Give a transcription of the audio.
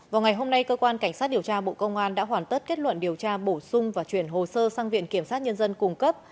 vào ngày hôm nay cơ quan cảnh sát điều tra bộ công an đã hoàn tất kết luận điều tra bổ sung và chuyển hồ sơ sang viện kiểm sát nhân dân cung cấp